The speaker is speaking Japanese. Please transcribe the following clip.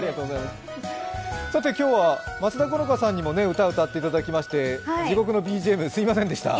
今日は松田好花さんにも歌っていただきまして、地獄のＢＧＭすみませんでした。